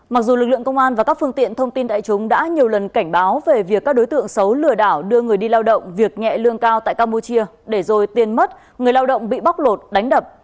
mặc dù lực lượng công an và các phương tiện thông tin đại chúng đã nhiều lần cảnh báo về việc các đối tượng xấu lừa đảo đưa người đi lao động việc nhẹ lương cao tại campuchia để rồi tiền mất người lao động bị bóc lột đánh đập